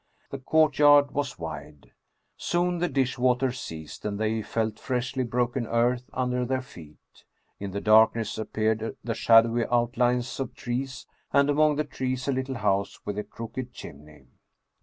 The courtyard was wide. Soon the dishwater ceased, and they felt freshly broken earth under their feet. In the darkness appeared the shadowy outlines of trees, and among the trees a little house with a crooked chimney.